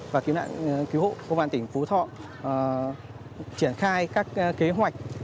và kiếm nạn cứu hộ công an tỉnh phú thọ